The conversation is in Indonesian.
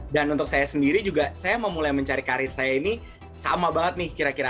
dan untuk saya sendiri juga saya memulai mencari karir saya ini sama banget nih kira kira